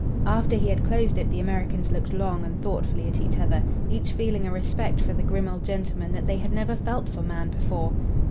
After he had closed it the Americans looked long and thoughtfully at each other, each feeling a respect for the grim old gentleman that they had never felt for man before.